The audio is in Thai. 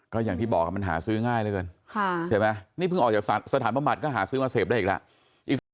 ก็อย่างที่บอกมันหาซื้อง่ายเหลือเกินใช่ไหมนี่เพิ่งออกจากสถานบำบัดก็หาซื้อมาเสพได้อีกแล้ว